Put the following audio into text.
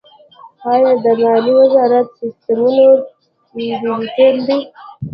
آیا د مالیې وزارت سیستمونه ډیجیټل دي؟